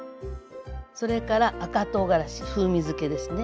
それから赤とうがらし風味づけですね。